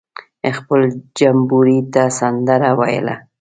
خپل جمبوري ته سندره ویله.